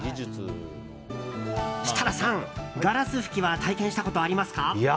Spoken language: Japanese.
設楽さん、ガラス吹きは体験したことありますか？